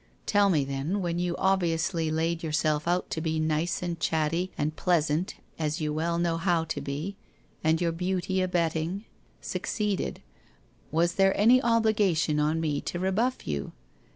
Tell me then, when you obviously laid yourself out to be nice and chatty and pleasant as you well know how to be, and your beauty abetting, succeeded, was there any obligation on me to rebuff you?